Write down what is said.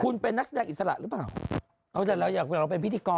คุณเป็นนักแสดงอิสระหรือเปล่าเอาแต่เราอยากเวลาเราเป็นพิธีกร